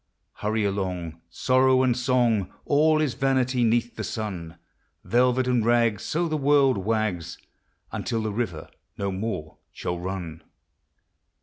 Hurry along, sorrow and song, All is vanity 'neath the sun ; Velvet and rags, so the world wags, Until the river no more shall run.